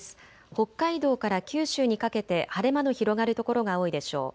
北海道から九州にかけて晴れ間の広がる所が多いでしょう。